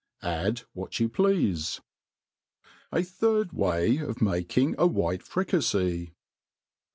Add what you pleafe, A third Way of making a White Fricafey*